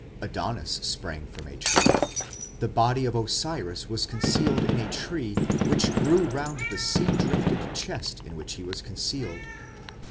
Adonis sprang from a tree; the body of Osiris was concealed in a tree which grew round the sea drifted chest in which he was concealed.